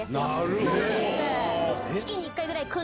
そうなんです。